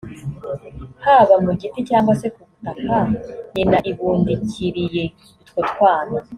haba mu giti cyangwa se ku butaka, nyina ibundikiriye utwo twana